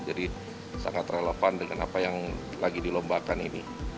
jadi sangat relevan dengan apa yang lagi dilombakan ini